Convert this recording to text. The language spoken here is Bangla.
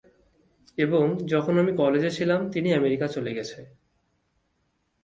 এবং যখন আমি কলেজে ছিলাম, তিনি আমেরিকা চলে গেছে।